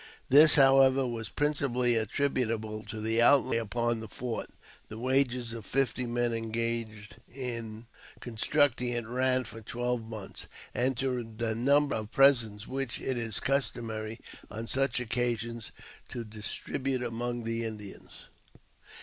This, however, was principally attributable to the outlay upon the fort (the wages of the fifty men engaged in constructing it ran for twelve months), and to the number of presents which it is customary, on such occasions, to distribute among the Indians.